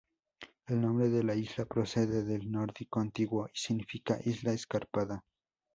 El nombre de la isla procede del nórdico antiguo, y significa "isla escarpada".